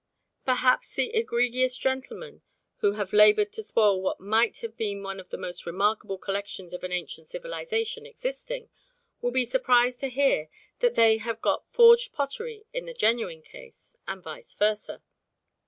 Perhaps the egregious gentlemen who have laboured to spoil what might have been one of the most remarkable collections of an ancient civilisation existing will be surprised to hear that they have got forged pottery in the genuine case and vice versa.